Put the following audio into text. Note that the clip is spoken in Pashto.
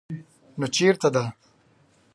_نو چېرته ده؟